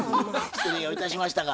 失礼をいたしましたが。